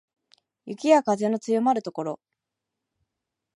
雪や風の強まる所